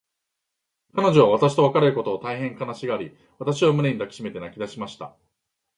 彼女は私と別れることを、大へん悲しがり、私を胸に抱きしめて泣きだしました。